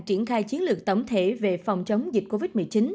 triển khai chiến lược tổng thể về phòng chống dịch covid một mươi chín